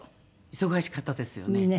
忙しかったですよね。